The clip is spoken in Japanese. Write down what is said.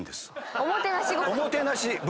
おもてなし文化。